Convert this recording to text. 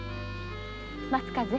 松風